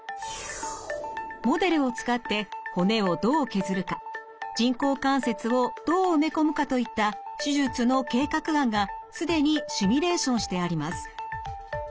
モデルを使って骨をどう削るか人工関節をどう埋め込むかといった手術の計画案が既にシミュレーションしてあります。